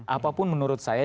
apapun menurut saya